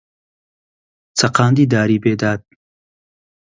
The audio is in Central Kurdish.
چەقاندی داری بێداد